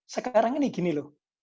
sekarang ini gini loh